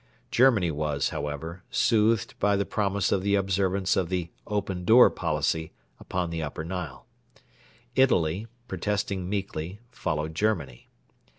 Germany was, however, soothed by the promise of the observance of the 'Open Door' policy upon the Upper Nile. Italy, protesting meekly, followed Germany.